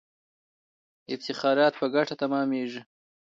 افتخارات په ګټه تمامیږي.